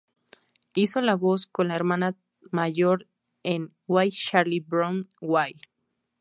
Hizo la voz de la hermana mayor en "Why, Charlie Brown, Why?".